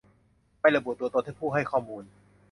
ไม่ระบุตัวตนผู้ให้ข้อมูล